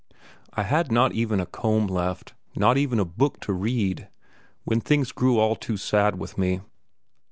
I had not even a comb left, not even a book to read, when things grew all too sad with me.